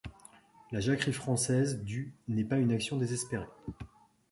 La jacquerie française du n'est pas une action désespérée.